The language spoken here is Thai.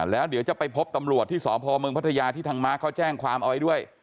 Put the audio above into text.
แล้วเดี๋ยวจะไปพบตำรวจที่สพเมืองพัทยาที่ทางมาร์คเขาแจ้งความเอาไว้ด้วย